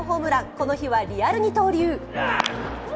この日はリアル二刀流。